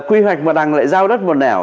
quy hoạch mà đang lại giao đất một nẻo